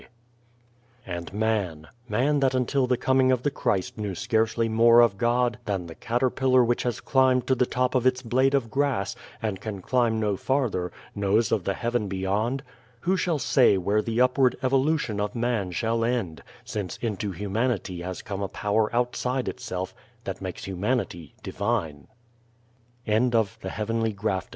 64 The Heavenly Grafting And man man that until the coming of the Christ knew scarcely more of God than the caterpillar which has climbed to the top of its blade of grass, and can climb no farther, knows of the heaven beyond who shall say where the upward evolution of man shall end, since into humanity has come a power outside itself that makes